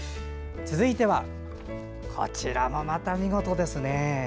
続いてはこちらもまた見事ですね。